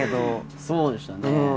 そうでしたね。